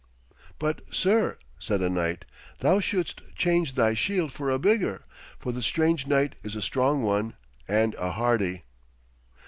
'But, sir,' said a knight, 'thou shouldst change thy shield for a bigger. For the strange knight is a strong one and a hardy.'